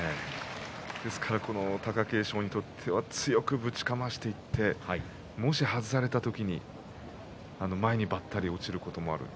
貴景勝にとっては強くぶちかましていって外された時に前にばったりと落ちることもある。